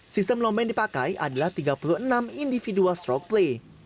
sistem lomba yang dipakai adalah tiga puluh enam individual stroke play